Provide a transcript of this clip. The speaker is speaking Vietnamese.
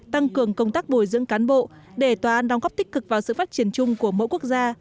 tăng cường công tác bồi dưỡng cán bộ để tòa án đóng góp tích cực vào sự phát triển chung của mỗi quốc gia